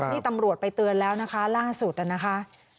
นี่ตำรวจไปเตือนแล้วนะคะล่าสุดนะคะ